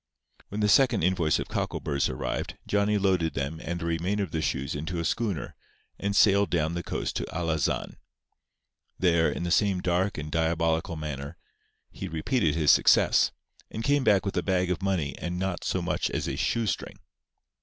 When the second invoice of cockleburrs arrived Johnny loaded them and the remainder of the shoes into a schooner, and sailed down the coast to Alazan. There, in the same dark and diabolical manner, he repeated his success; and came back with a bag of money and not so much as a shoestring.